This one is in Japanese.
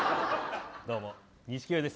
どうも、錦鯉です。